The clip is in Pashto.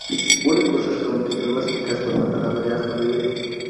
ولي کوښښ کوونکی د لوستي کس په پرتله بریا خپلوي؟